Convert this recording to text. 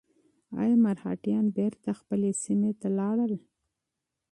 ایا مرهټیان بېرته خپلې سیمې ته لاړل؟